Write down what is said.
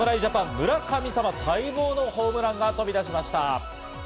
村神様、待望のホームランが飛び出しました。